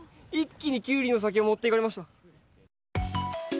一気にキュウリの先が持っていかれました。